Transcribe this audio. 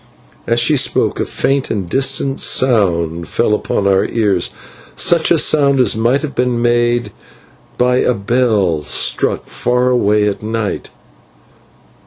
As she spoke a faint and distant sound fell upon our ears such a sound as might have been made by a bell struck far away at night.